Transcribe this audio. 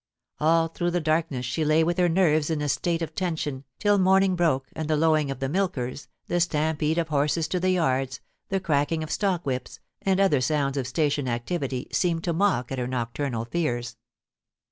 All through the darkness she lay with her nerves in a state of tension, till morning broke and the lowing of the milkers, the stampede of horses to the yards, the cracking of stock whips, and other sounds of station activity, seemed to mock at her nocturnal fears.